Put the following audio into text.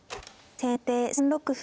先手６六歩。